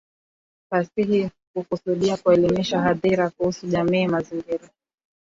Fasihi hukusudia kuelimisha hadhira kuhusu jamii, mazingira.